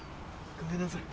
ごめんなさい。